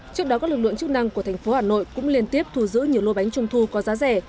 trước đó các lực lượng chức năng của thành phố hà nội cũng liên tiếp thu giữ nhiều lô bánh trung thu có giá rẻ